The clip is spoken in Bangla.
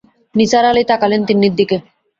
নিসার আলি তাকালেন তিন্নির দিকে।